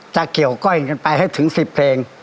จะเกี่ยวก้อยกันไปให้ถึง๑๐เพลง